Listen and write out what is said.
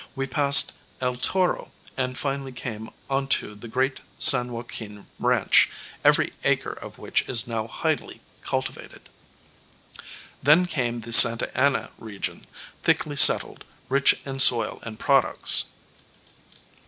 We passed El Toro and finally came onto the great San Joaquin ranch, every acre of which is now highly cultivated. Then came the Santa Ana region, thickly settled, rich in soil and products.